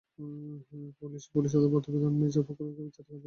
Police প্রতিবেদন দিলে মির্জা ফখরুলকে বিচারিক আদালতে গিয়ে আত্মসমর্পণ করতে হবে।